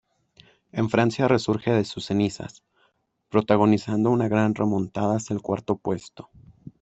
En Francia resurge de sus cenizas, protagonizando una gran remontada hasta el cuarto puesto.